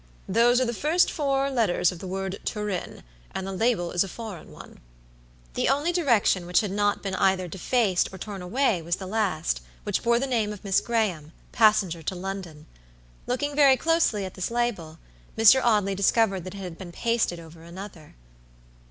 "Those are the first four letters of the word Turin, and the label is a foreign one." The only direction which had not been either defaced or torn away was the last, which bore the name of Miss Graham, passenger to London. Looking very closely at this label, Mr. Audley discovered that it had been pasted over another.